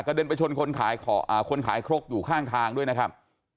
เด็นไปชนคนขายครกอยู่ข้างทางด้วยนะครับ